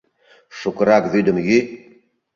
Шукырак вӱдым йӱ.